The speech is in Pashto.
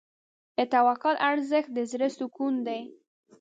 د توکل ارزښت د زړه سکون دی.